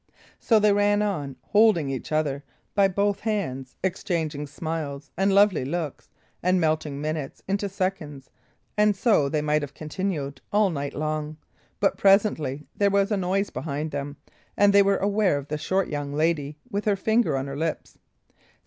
So they ran on, holding each other by both hands, exchanging smiles and lovely looks, and melting minutes into seconds; and so they might have continued all night long. But presently there was a noise behind them; and they were aware of the short young lady, with her finger on her lips.